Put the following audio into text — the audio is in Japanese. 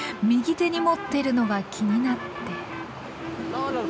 右手に持ってるのが気になって。